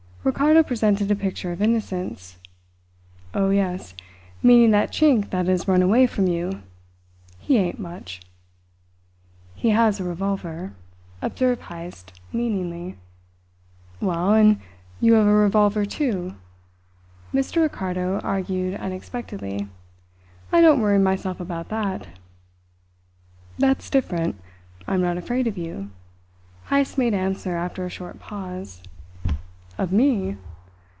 Ricardo presented a picture of innocence. "Oh, yes meaning that Chink that has ran away from you. He ain't much!" "He has a revolver," observed Heyst meaningly. "Well, and you have a revolver, too," Mr. Ricardo argued unexpectedly. "I don't worry myself about that." "That's different. I am not afraid of you," Heyst made answer after a short pause. "Of me?"